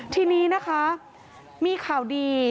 ทีนี้นะคะมีข่าวดี